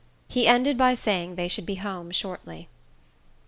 He ended by saying they should be at home shortly.